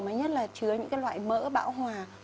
mà nhất là chứa những loại mỡ bão hòa